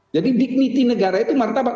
jadi dignity negara itu martabat